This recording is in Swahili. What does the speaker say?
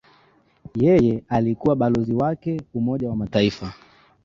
Yeye alikuwa Balozi wake Umoja wa Mataifa